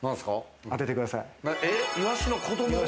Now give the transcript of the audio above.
当ててください。